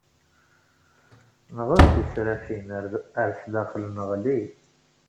NƔez tisrafin, ar sdaxel neƔli.